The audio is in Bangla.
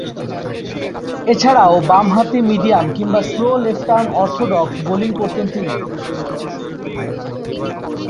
এছাড়াও, বামহাতি মিডিয়াম কিংবা স্লো লেফট-আর্ম অর্থোডক্স বোলিং করতেন তিনি।